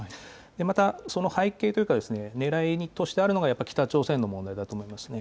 また、その背景というか、ねらいとしてあるのが北朝鮮の問題だと思いますね。